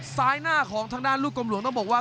ซ้ายหน้าของทางด้านลูกกลมหลวงต้องบอกว่า